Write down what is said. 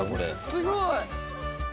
すごい。